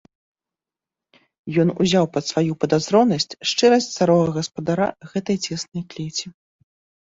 Ён узяў пад сваю падазронасць шчырасць старога гаспадара гэтай цеснай клеці.